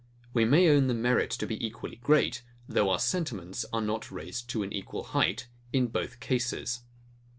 We may own the merit to be equally great, though our sentiments are not raised to an equal height, in both cases.